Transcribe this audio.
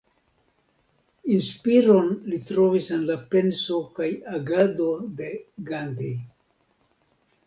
Inspiron li trovis en la penso kaj agado de Gandhi.